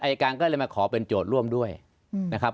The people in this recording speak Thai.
อายการก็เลยมาขอเป็นโจทย์ร่วมด้วยนะครับ